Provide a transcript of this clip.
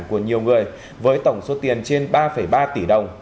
của nhiều người với tổng số tiền trên ba ba tỷ đồng